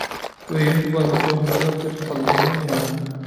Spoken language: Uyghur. ئۆيۈمگە بارغۇچە مۇزلاپ قېتىپ قالىمەنمۇ نېمە؟